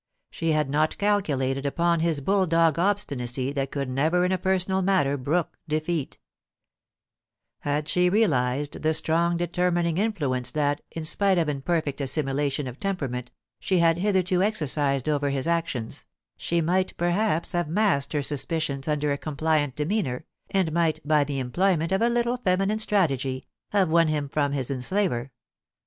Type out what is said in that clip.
She had not calculated upon his bull dog obstinacy that could never in a personal matter brook defeat Had she realised the strong determining influence that, in spite of imperfect assimilation of temperament, she had hitherto exercised over his actions, she might perhaps have masked her suspicions under a compliant demeanour, and might, by the employment of a little feminine strategy, have won him from his enslaver.